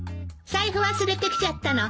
財布忘れてきちゃったの。